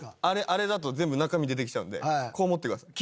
あれだと全部中身出てきちゃうんでこう持ってください。